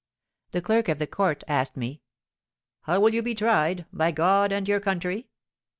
The clerk of the Court asked me, '_How will you be tried—by God and your country?